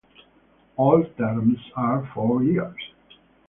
All terms are four years.